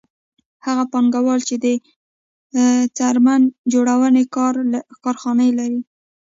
هغه پانګوال چې د څرمن جوړونې کارخانه لري